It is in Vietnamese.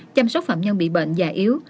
chăm sóc phạm nhân bị bệnh và yếu